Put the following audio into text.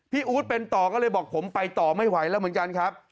อู๊ดเป็นต่อก็เลยบอกผมไปต่อไม่ไหวแล้วเหมือนกันครับ